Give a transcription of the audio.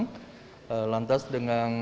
kami ada tujuh ruangan